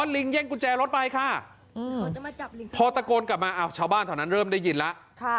ลิงแย่งกุญแจรถไปค่ะพอตะโกนกลับมาชาวบ้านเท่านั้นเริ่มได้ยินแล้ว